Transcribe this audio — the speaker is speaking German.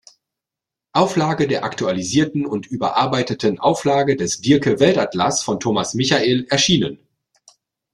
Auflage der aktualisierten und überarbeiteten Auflage des Diercke Weltatlas von Thomas Michael erschienen.